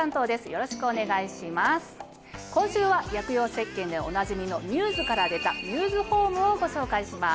今週は薬用せっけんでおなじみのミューズから出たミューズホームをご紹介します。